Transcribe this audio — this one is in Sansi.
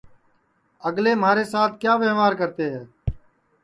اگلے مہارے سات کیا وئوار کرتے ہے